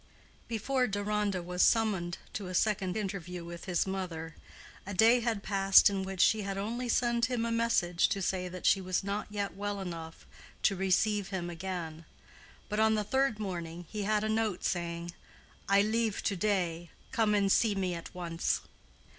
_ Before Deronda was summoned to a second interview with his mother, a day had passed in which she had only sent him a message to say that she was not yet well enough to receive him again; but on the third morning he had a note saying, "I leave to day. Come and see me at once."